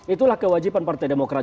itulah kewajiban partai demokrat